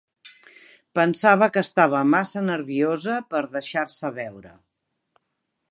Pensava que estava massa nerviosa per deixar-se veure.